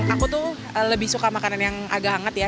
aku tuh lebih suka makanan yang agak hangat ya